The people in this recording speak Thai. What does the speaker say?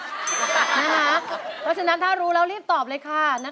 เพราะฉะนั้นถ้ารู้แล้วรีบตอบเลยค่ะ